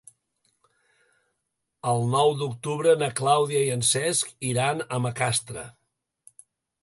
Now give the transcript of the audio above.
El nou d'octubre na Clàudia i en Cesc iran a Macastre.